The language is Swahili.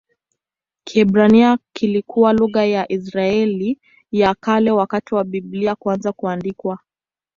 Kiebrania kilikuwa lugha ya Israeli ya Kale wakati wa Biblia kuanza kuandikwa.